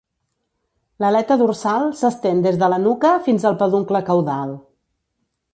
L'aleta dorsal s'estén des de la nuca fins al peduncle caudal.